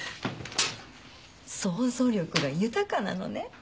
想像力が豊かなのね。